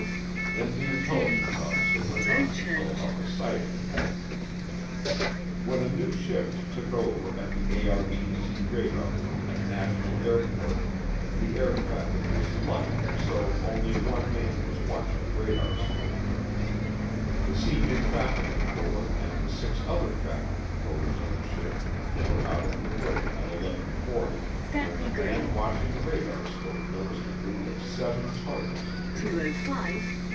Then the intelligence officer went on to tell about the sighting. When a new shift took over at the ARTC radar room at National Airport, the air traffic was light so only one man was watching the radarscope. The senior traffic controller and the six other traffic controllers on the shift were out of the room at eleven forty, when the man watching the radarscope noticed a group of seven targets appear.